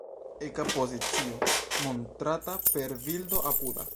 Eka pozicio montrata per bildo apuda.